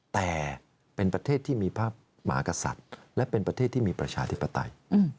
แต่เป็นประเทศที่มีพระมหากษัตริย์และเป็นประเทศที่มีประชาธิปไตย